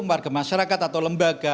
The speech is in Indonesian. marga masyarakat atau lembaga